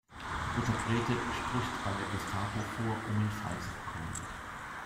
Mutter Grete spricht bei der Gestapo vor, um ihn frei zu bekommen.